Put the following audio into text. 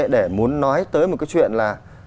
để muốn nói tới một cái chuyện là